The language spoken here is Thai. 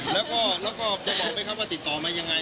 แล้วก็จะบอกไหมครับว่าติดต่อมายังไง